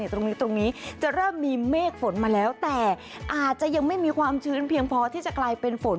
ตรงนี้ตรงนี้จะเริ่มมีเมฆฝนมาแล้วแต่อาจจะยังไม่มีความชื้นเพียงพอที่จะกลายเป็นฝน